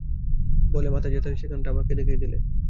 বলে মাথায় যেখানে লেগেছিল সেইখানটা আমাকে দেখিয়ে দিলে।